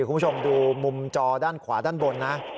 คุณผู้ชมดูมุมจอด้านขวาด้านบนนะ